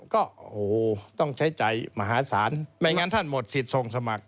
ก็โอ้โหต้องใช้ใจมหาศาลไม่งั้นท่านหมดสิทธิ์ส่งสมัคร